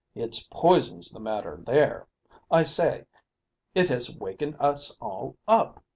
It's poison's the matter there. I say, it has wakened us all up."